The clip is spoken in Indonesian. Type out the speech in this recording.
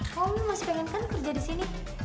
kamu masih pengenkan kerja di sini